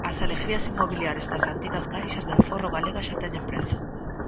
As alegrías inmobiliarias das antigas caixas de aforro galegas xa teñen prezo.